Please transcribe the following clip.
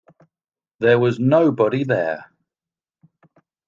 There was nobody there.